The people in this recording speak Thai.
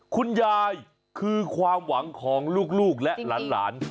คุณยายคือความหวังของลูกและหลาน